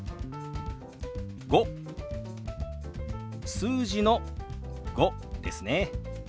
数字の「５」ですね。